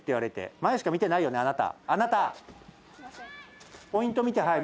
前しか見てないよね、あなた。